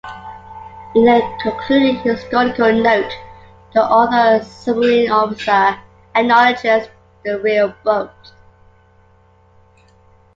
In the concluding historical note the author, a submarine officer, acknowledges the real boat.